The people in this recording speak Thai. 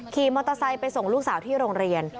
ขี่มอเตอร์ไซค์ไปส่งลูกสาวที่โรงเรียน